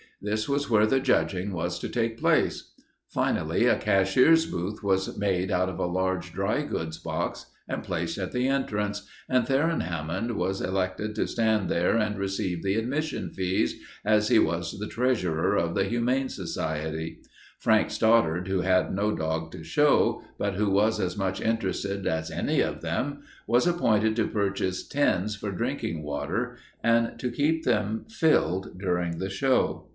This was where the judging was to take place. Finally, a cashier's booth was made out of a large dry goods box and placed at the entrance, and Theron Hammond was elected to stand there and receive the admission fees, as he was the treasurer of the Humane Society. Frank Stoddard, who had no dog to show, but who was as much interested as any of them, was appointed to purchase tins for drinking water and to keep them filled during the show.